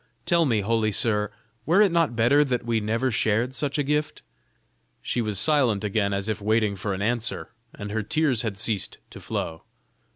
Tell me, holy sir, were it not better that we never shared such a gift?" She was silent again as if waiting for an answer, and her tears had ceased to flow.